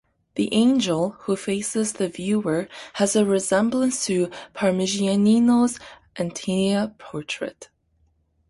The angel who faces the viewer has a resemblance to Parmigianino's "Antea" portrait.